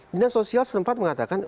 dinas sosial setempat mengatakan